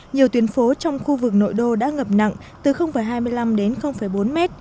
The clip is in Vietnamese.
nhiều tuyến phố trong khu vực nội đô đã ngập nặng từ hai mươi năm đến bốn mét